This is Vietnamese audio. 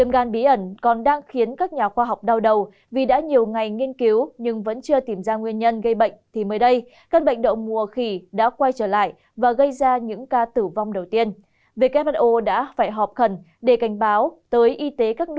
các bạn hãy đăng ký kênh để ủng hộ kênh của chúng mình nhé